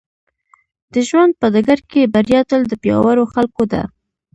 د ژوند په ډګر کې بريا تل د پياوړو خلکو ده.